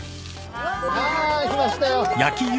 うわ来ましたよ。